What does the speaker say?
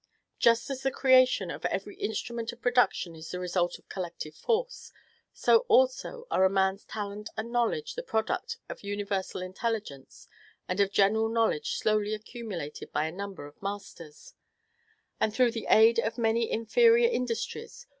Just as the creation of every instrument of production is the result of collective force, so also are a man's talent and knowledge the product of universal intelligence and of general knowledge slowly accumulated by a number of masters, and through the aid of many inferior industries.